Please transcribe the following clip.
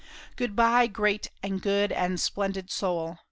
Good bye, great and good and splendid soul!